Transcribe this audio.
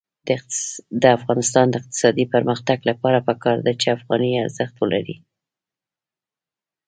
د افغانستان د اقتصادي پرمختګ لپاره پکار ده چې افغانۍ ارزښت ولري.